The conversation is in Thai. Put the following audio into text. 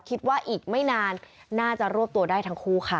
คิดว่าอีกไม่นานน่าจะรวบตัวได้ทั้งคู่ค่ะ